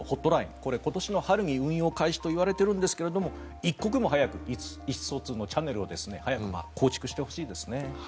これ、今年の春に運用開始といわれているんですが一刻も早く意思疎通のチャンネルを早く構築してほしいですね。